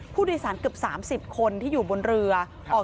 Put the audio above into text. ผู้โดยสารกับ๓๐คนที่อยู่บนเรือ